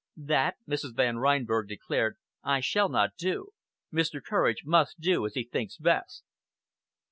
"That," Mrs. Van Reinberg declared, "I shall not do. Mr. Courage must do as he thinks best."